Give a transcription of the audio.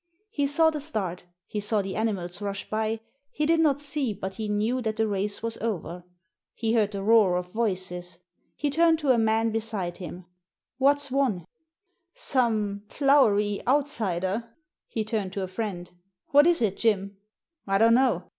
He saw the start, he saw the animals rush by, he did not see but he knew that the race was over. He heard the roar of voices. He turned to a man beside him— "What's won?" "Some" — ^flowery — "outsider." He turned to a friend: "What is it, Jim?" " I don't know."